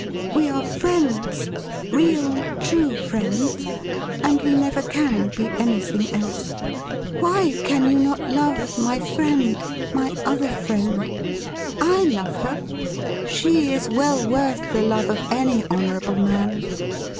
We are friends — ^real, true friends — and we never can be anything else. Why can you not love my fiiend — my other friend ? I love her. She is well worth the love of any honourable man.